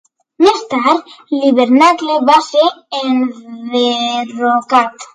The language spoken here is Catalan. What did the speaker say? Més tard, l'hivernacle va ser enderrocat.